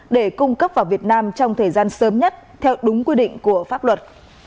để cung cấp vào việt nam trong thời gian sớm nhất theo đúng quy định của pháp luật